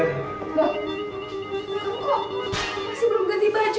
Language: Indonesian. masih belum ganti baju